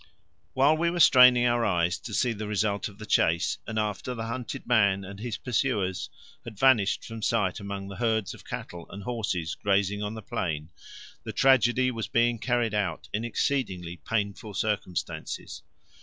While we were straining our eyes to see the result of the chase, and after the hunted man and his pursuers had vanished from sight among the herds of cattle and horses grazing on the plain, the tragedy was being carried out in exceedingly painful circumstances.